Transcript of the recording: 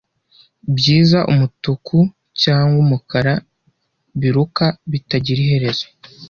byiza umutuku cyangwa umukara biruka bitagira iherezo